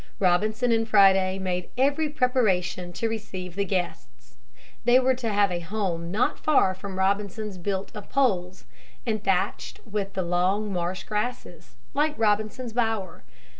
Robinson and Friday made every preparation to receive the guests. They were to have a home not far from Robinson's built of poles, and thatched with the long marsh grasses, like Robinson's bower.